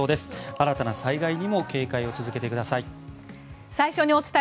新たな災害にも警戒を続けてください。